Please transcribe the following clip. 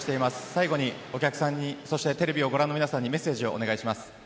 最後にお客さんにそしてテレビをご覧の皆さんにメッセージをお願いします。